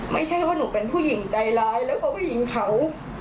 ไม่ใช่ว่าหนูเป็นผู้หญิงใจร้ายแล้วก็ผู้หญิงเขา